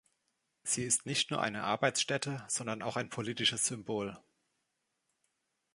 Sie ist nicht nur eine Arbeitsstätte, sondern auch ein politisches Symbol.